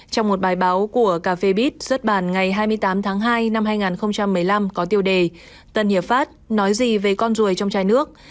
trong một bài báo của cà phê bít xuất bản ngày hai mươi tám tháng hai năm hai nghìn một mươi năm có tiêu đề tân hiệp pháp nói gì về con ruồi trong chai nước